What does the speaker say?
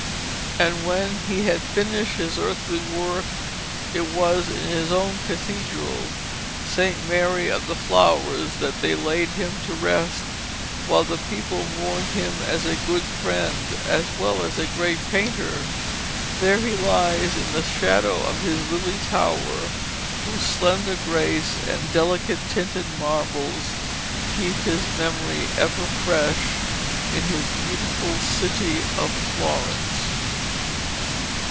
And when he had finished his earthly work it was in his own cathedral, 'St. Mary of the Flowers,' that they laid him to rest, while the people mourned him as a good friend as well as a great painter. There he lies in the shadow of his lily tower, whose slender grace and delicate tinted marbles keep his memory ever fresh in his beautiful city of Florence.